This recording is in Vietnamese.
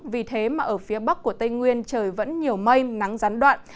vì thế mà ở phía bắc của tây nguyên trời vẫn nhiều mây nắng gián đoạn